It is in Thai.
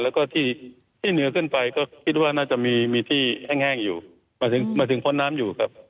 แล้วก็ที่เหนือขึ้นไปก็คิดว่าน่าจะมีมีที่แห้งอยู่มาถึงพ้นน้ำอยู่ครับ